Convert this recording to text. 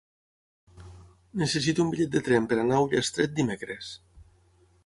Necessito un bitllet de tren per anar a Ullastret dimecres.